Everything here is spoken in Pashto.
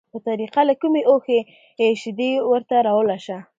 په طریقه له کومې اوښې شیدې ورته راولوشه،